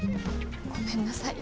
ごめんなさい